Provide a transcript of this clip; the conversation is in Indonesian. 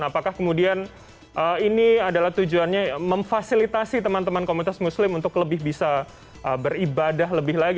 apakah kemudian ini adalah tujuannya memfasilitasi teman teman komunitas muslim untuk lebih bisa beribadah lebih lagi